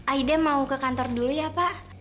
aida mau ke kantor dulu ya pak